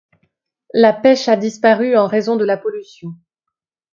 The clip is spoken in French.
La pêche a disparu en raison de la pollution.